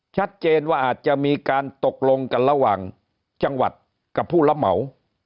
ชัดเจนว่าอาจจะมีการตกลงกันระหว่างจังหวัดกับผู้รับเหมา